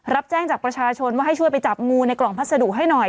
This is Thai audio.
รับแจ้งจากประชาชนว่าให้ช่วยไปจับงูในกล่องพัสดุให้หน่อย